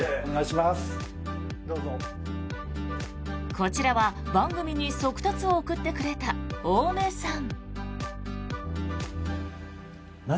こちらは番組に速達を送ってくれた大目さん。